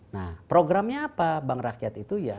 nah programnya apa bank rakyat itu ya